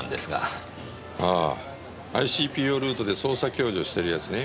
ああＩＣＰＯルートで捜査共助をしてるやつね。